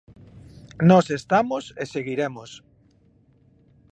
Nós estamos e seguiremos.